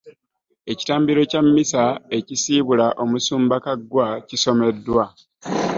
Ekitambiro kya Mmisa ekisiibula omusumba Kaggwa kisomeddwa